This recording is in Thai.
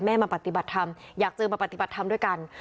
มาปฏิบัติธรรมอยากเจอมาปฏิบัติธรรมด้วยกัน